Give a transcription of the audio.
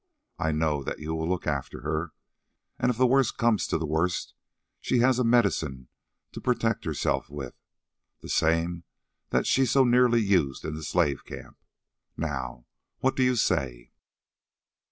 I know that you will look after her, and if the worst comes to the worst, she has a medicine to protect herself with, the same that she so nearly used in the slave camp. Now, what do you say?"